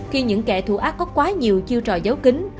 khi những kẻ thù ác có quá nhiều chiêu trò giáo dục